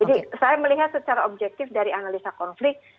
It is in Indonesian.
jadi saya melihat secara objektif dari analisa konflik